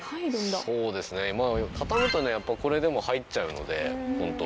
そうですねまぁ畳むとこれでも入っちゃうのでホント。